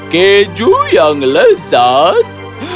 keju yang lezat